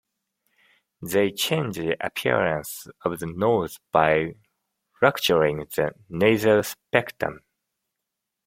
They changed the appearance of the nose by fracturing the nasal septum.